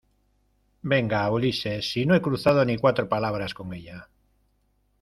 venga, Ulises , si no he cruzado ni cuatro palabras con ella.